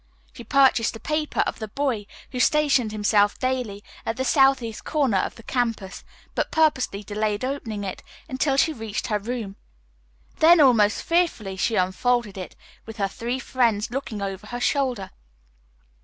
She purchased a paper of the boy who stationed himself daily at the southeast corner of the campus, but purposely delayed opening it until she reached her room. Then almost fearfully she unfolded it, with her three friends looking over her shoulder.